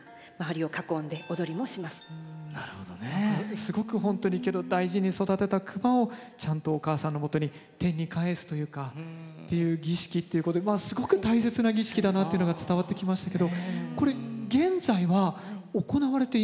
すごくホントに大事に育てたクマをちゃんとお母さんのもとに天にかえすというかっていう儀式っていうことですごく大切な儀式だなっていうのが伝わってきましたけどこれ現在は行われていないんだそうですね。